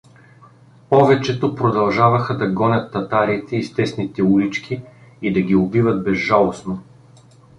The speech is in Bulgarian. Повечето продължаваха да гонят татарите из тесните улички и да ги убиват безжалостно.